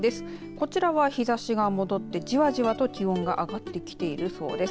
こちらは日ざしが戻ってじわじわと気温が上がってきているようです。